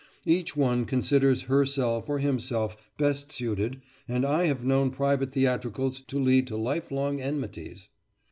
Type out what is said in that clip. Each one considers herself or himself best suited, and I have known private theatricals to lead to lifelong enmities.